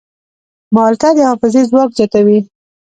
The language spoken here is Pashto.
مالټه د حافظې ځواک زیاتوي.